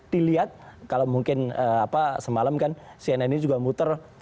dilihat kalau mungkin semalam kan cnn ini juga muter